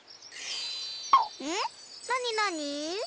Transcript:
なになに？